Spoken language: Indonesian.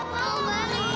mau balik nyari